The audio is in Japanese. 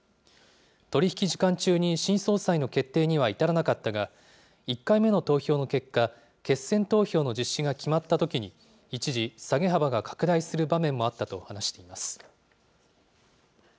取り引き時間中に新総裁の決定には至らなかったが、１回目の投票の結果、決選投票の実施が決まったときに、一時、下げ幅が拡大する場面もあったと話しています。